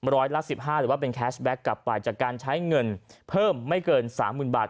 ร้อยละ๑๕หรือว่าเป็นแคสแก๊กกลับไปจากการใช้เงินเพิ่มไม่เกิน๓๐๐๐บาท